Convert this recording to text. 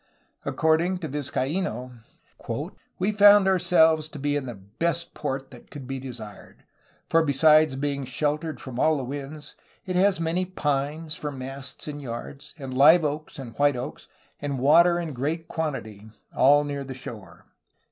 According to Vizcaino : "We found ourselves to be in the best port that could be desired, for besides being sheltered from all the winds, it has many pines for masts and yards, and live oaks and white oaks, and water in great quantity, all near the shore."